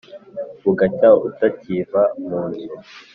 Bugacya utakiva mu nzu.